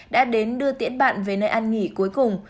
đã đến đưa tiễn bạn về nơi ăn nghỉ cuối cùng